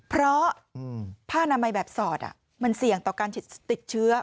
เพราะผ้านามัยแบบสอดมันเสี่ยงต่อการติดเชื้อ